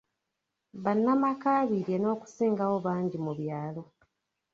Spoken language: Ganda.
Bannamakaabirye n'okusingawo bangi mu byalo.